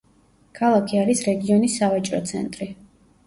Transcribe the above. ქალაქი არის რეგიონის სავაჭრო ცენტრი.